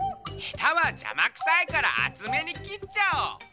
「ヘタはじゃまくさいからあつめにきっちゃおう」。